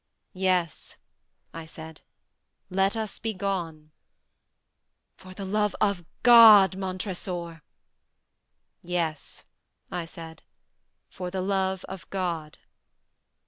"Yes," I said, "let us be gone." "For the love of God, Montressor!" "Yes," I said, "for the love of God!"